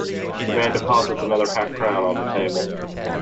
The man deposits another half-crown on the table.